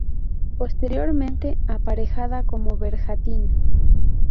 Posteriormente aparejada como bergantín.